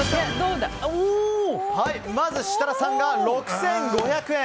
まず設楽さんが６５００円。